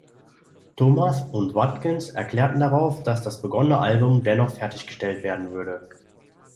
Thomas und Watkins erklärten darauf, dass das begonnene Album dennoch fertiggestellt werden würde.